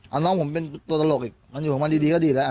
เอาน้องผมเป็นตัวตลกอีกมันอยู่ของมันดีก็ดีแล้ว